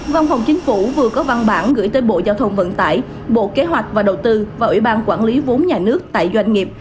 văn phòng chính phủ vừa có văn bản gửi tới bộ giao thông vận tải bộ kế hoạch và đầu tư và ủy ban quản lý vốn nhà nước tại doanh nghiệp